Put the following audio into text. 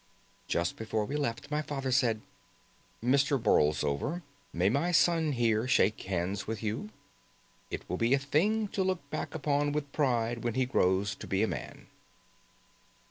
Just before we left my father said, "Mr. Borlsover, may my son here shake hands with you? It will be a thing to look back upon with pride when he grows to be a man."